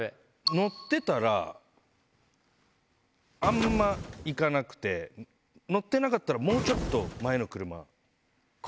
乗ってたらあんま行かなくて乗ってなかったらもうちょっと前の車が。